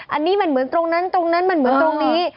อันนี้มันเหมือนตรงนั้นตรงนั้นมันเหมือนตรงนี้